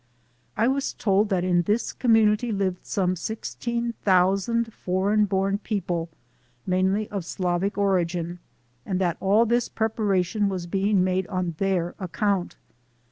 I was told that in this community lived some 16,000 foreign born people, mainly of Slavic origin, and that all this preparation was being made on their account.